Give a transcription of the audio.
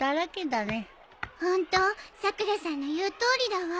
ホントさくらさんの言うとおりだわ。